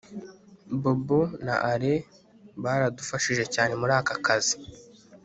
Bobo na ale baradufashije cyane muri aka kazi